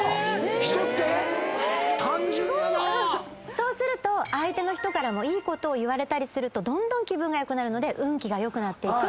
そうすると相手の人からいいことを言われたりするとどんどん気分が良くなるので運気が良くなっていくってことが。